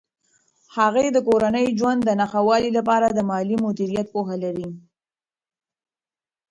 هغې د کورني ژوند د ښه والي لپاره د مالي مدیریت پوهه لري.